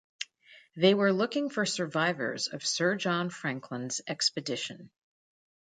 They were looking for survivors of Sir John Franklin's expedition.